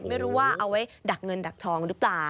ไม่รู้ว่าเอาไว้ดักเงินดักทองหรือเปล่า